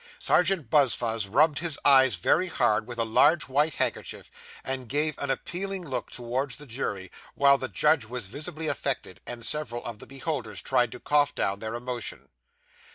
Serjeant Buzfuz rubbed his eyes very hard with a large white handkerchief, and gave an appealing look towards the jury, while the judge was visibly affected, and several of the beholders tried to cough down their emotion.